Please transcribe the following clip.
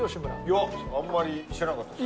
いやあんまり知らなかったです。